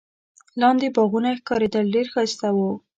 لاندي باغونه ښکارېدل، ډېر ښایسته وو.